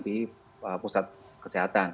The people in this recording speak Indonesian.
di pusat kesehatan